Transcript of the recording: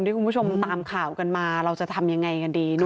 คุณผู้ชมตามข่าวกันมาเราจะทำยังไงกันดี